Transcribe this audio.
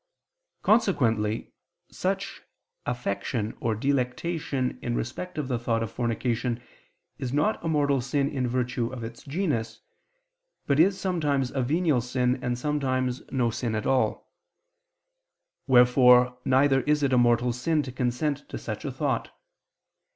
Consequently such affection or delectation in respect of the thought of fornication is not a mortal sin in virtue of its genus, but is sometimes a venial sin and sometimes no sin at all: wherefore neither is it a mortal sin to consent to such a thought.